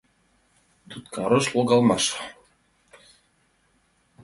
Туткарыш логалмаш